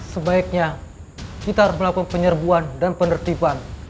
sebaiknya kita harus melakukan penyerbuan dan penertiban